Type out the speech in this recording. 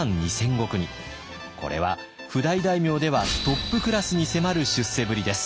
これは譜代大名ではトップクラスに迫る出世ぶりです。